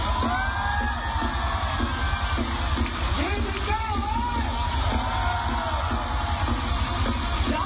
ผมจนเล่นหัวคนร่วยร่างสั่ง